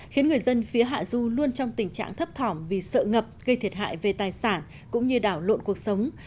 khiến người dân phía hạ du luôn trong tình trạng thấp thỏm vì sợ ngập gây thiệt hại về tài sản cũng như đảo lộn cuộc sống